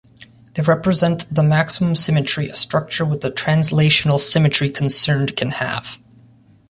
They represent the maximum symmetry a structure with the translational symmetry concerned can have.